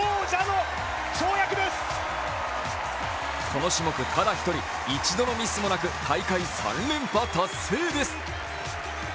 この種目ただ１人１度のミスもなく大会３連覇達成です。